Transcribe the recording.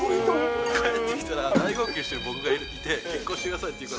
帰ってきたら、大号泣してる僕がいて、結婚してくださいっていう。